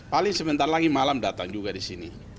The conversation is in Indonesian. paling sebentar lagi malam datang juga di sini